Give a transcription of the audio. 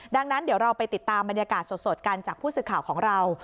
ดังนั้นเดี๋ยวเราไปติดตามบรรยากาศสดกันจากผู้สื่อข่าวของเรา